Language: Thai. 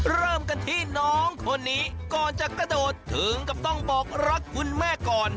เริ่มกันที่น้องคนนี้ก่อนจะกระโดดถึงกับต้องบอกรักคุณแม่ก่อน